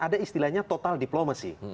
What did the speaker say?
ada istilahnya total diplomasi